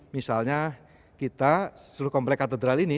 misalnya kita seluruh komplek katedral ini